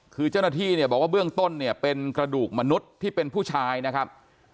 คือเจ้าหน้าที่เนี่ยบอกว่าเบื้องต้นเนี่ยเป็นกระดูกมนุษย์ที่เป็นผู้ชายนะครับ